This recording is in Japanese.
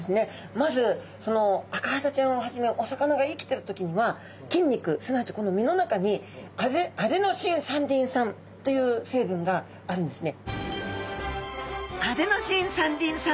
まずそのアカハタちゃんをはじめお魚が生きているときには筋肉すなわちこの身の中にアデノシン三リン酸という成分があるんですね。